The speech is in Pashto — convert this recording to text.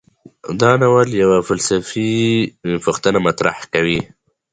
دا ناول یوه فلسفي پوښتنه مطرح کوي.